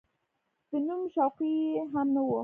د نوم شوقي یې هم نه و.